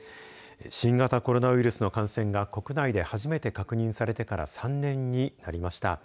新型コロナウイルスの感染が国内で初めて確認されてから３年になりました。